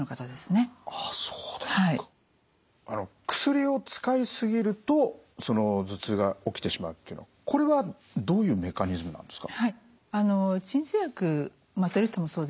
あそうですか。薬を使いすぎると頭痛が起きてしまうというのこれはどういうメカニズムなんですか？